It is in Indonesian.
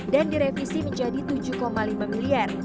dan direvisi menjadi tujuh lima miliar